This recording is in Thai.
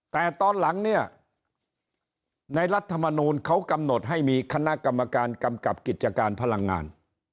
แต่ตอนหลังเนี่ยในรัฐมนูลเขากำหนดให้มีคณะกรรมการกำกับกิจการพลังงาน